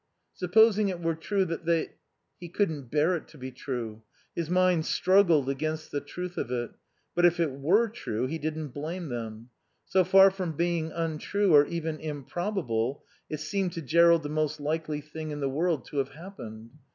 Supposing it were true that they He couldn't bear it to be true; his mind struggled against the truth of it, but if it were true he didn't blame them. So far from being untrue or even improbable, it seemed to Jerrold the most likely thing in the world to have happened.